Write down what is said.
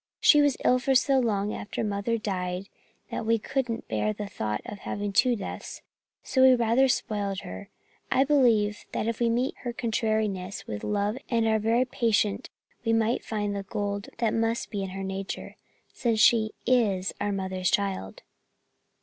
She was ill for so long after Mother died that we couldn't bear the thought of having two deaths, and so we rather spoiled her. I believe that if we meet her contrariness with love and are very patient we may find the gold that must be in her nature, since she is our mother's child."